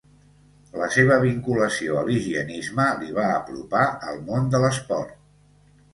La seva vinculació a l'higienisme li va apropar al món de l'esport.